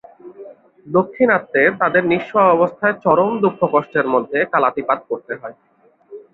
দাক্ষিণাত্যে তাদের নিঃস্ব অবস্থায় চরম দুঃখকষ্টের মধ্যে কালাতিপাত করতে হয়।